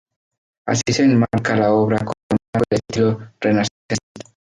Así se enmarca la obra con un arco de estilo renacentista.